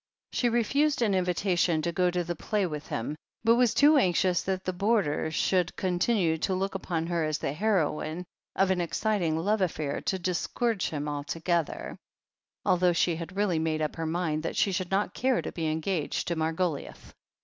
She refused an invitation to go to the play with him, but was too anxious that the boarders should con tinue to look upon her as the heroine of an exciting love affair to discourage him altogether, although she had really made up her mind that she should not care to be engaged to Margoliouth.